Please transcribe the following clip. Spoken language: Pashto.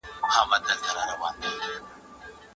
تپل سوي پدېدې د پرمختګ مخه نيسي.